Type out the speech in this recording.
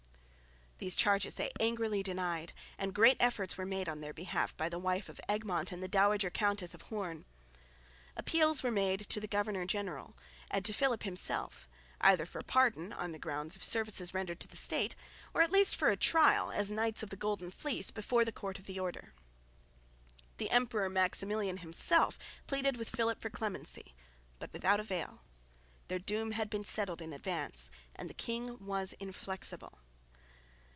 These charges they angrily denied; and great efforts were made on their behalf by the wife of Egmont and the dowager Countess of Hoorn. Appeals were made to the governor general and to Philip himself, either for pardon on the ground of services rendered to the State, or at least for a trial, as Knights of the Golden Fleece, before the Court of the Order. The Emperor Maximilian himself pleaded with Philip for clemency, but without avail. Their doom had been settled in advance, and the king was inflexible.